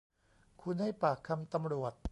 คุณให้ปากคำตำรวจ